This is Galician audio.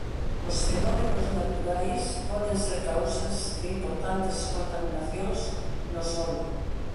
Os fenómenos naturais poden ser causas de importantes contaminacións no solo.